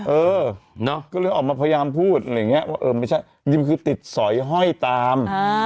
เอ่อก็เลยออกมาพยายามพูดว่าอื้อไม่ใช่เพราะก็ติดสร้อยหอยตาม